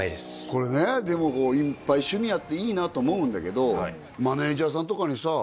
これねでもいっぱい趣味あっていいなと思うんだけどマネージャーさんとかにさ